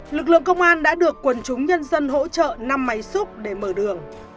lực lượng công an đã được quần chúng nhân dân hỗ trợ năm máy xúc để mở đường